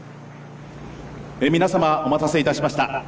皆様お待たせいたしました。